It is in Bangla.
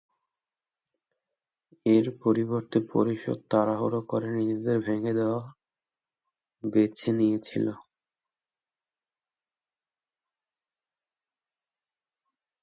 এর পরিবর্তে, পরিষদ তাড়াহুড়ো করে নিজেদের ভেঙে দেওয়া বেছে নিয়েছিল।